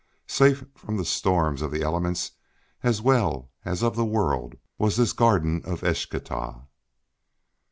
Safe from the storms of the elements as well as of the world was this Garden of Eschtah.